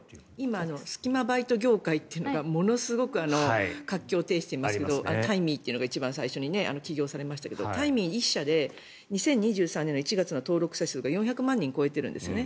今、隙間バイト業界がものすごく活況を呈していますがタイミーというのが一番最初に起業されましたがタイミー１社で２０２３年の１月の登録者数が４００万人を超えてるんですね。